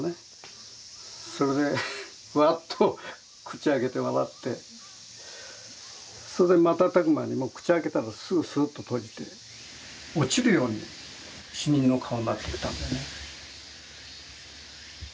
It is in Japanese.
それでワッと口を開けて笑ってそれで瞬く間にもう口開けたらすぐスッと閉じて落ちるように死人の顔になってったんだよね。